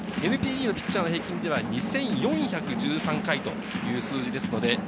ＮＰＢのピッチャーの平均では２４１３回という数字です。